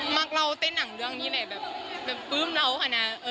เราเต้นหนังเรื่องนี้แหละแบบปลื้มเราค่ะนะ